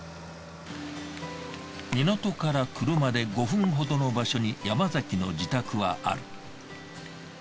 港から車で５分ほどの場所に山崎の自宅はある。